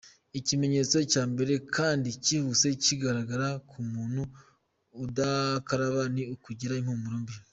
Ikimenyetso cya mbere kandi cyihuse kigaragara ku muntu udakaraba ni ukugira impumuro mbi.